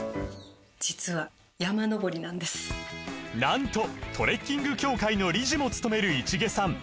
実はなんとトレッキング協会の理事もつとめる市毛さん